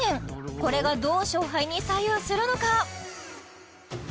これがどう勝敗に左右するのか？